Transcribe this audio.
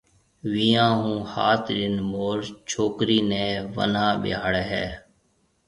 وينيان ھون ھات ڏِن مور ڇوڪرِي نيَ وناھ ٻيھاݪي ھيََََ